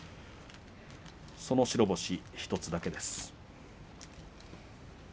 その白星１つだけです。